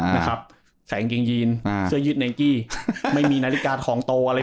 นะครับใส่กางเกงยีนอ่าเสื้อยืดไนกี้ไม่มีนาฬิกาทองโตอะไร